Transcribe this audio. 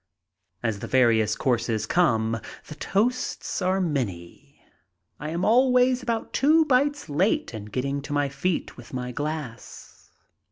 As the various courses come the toasts are many. I am always about two bites late in getting to my feet with my glass.